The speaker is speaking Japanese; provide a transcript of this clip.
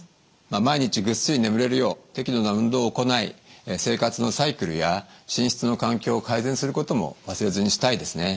毎日ぐっすり眠れるよう適度な運動を行い生活のサイクルや寝室の環境を改善することも忘れずにしたいですね。